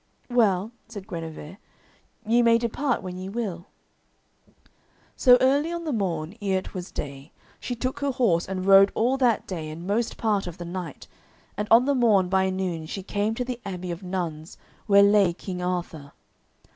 "Well," said Guenever, "ye may depart when ye will." So early on the morn, ere it was day, she took her horse and rode all that day and most part of the night, and on the morn by noon she came to the abbey of nuns where lay King Arthur.